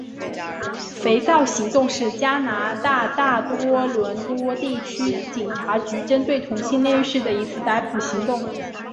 肥皂行动是加拿大大多伦多地区警察局针对同性恋浴室的一次逮捕行动。